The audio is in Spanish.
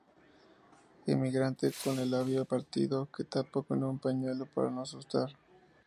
Emigrante, con el labio partido, que tapa con un pañuelo para no asustar.